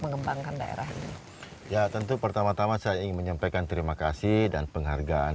mengembangkan daerah ini ya tentu pertama tama saya ingin menyampaikan terima kasih dan penghargaan